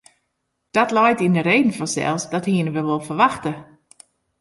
Dat leit yn de reden fansels, dat hienen we wol ferwachte.